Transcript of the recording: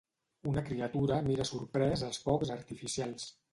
Una criatura mira sorprès els focs artificials.